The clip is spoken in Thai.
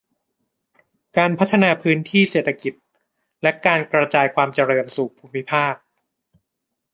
การพัฒนาพื้นที่เศรษฐกิจและการกระจายความเจริญสู่ภูมิภาค